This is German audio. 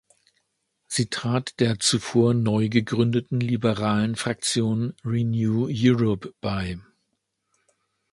Sie trat der zuvor neugegründeten liberalen Fraktion Renew Europe bei.